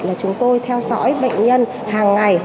là chúng tôi theo dõi bệnh nhân hàng ngày